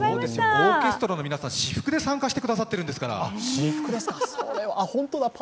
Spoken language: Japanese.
オーケストラの皆さん、私服で参加してくださってるんですから。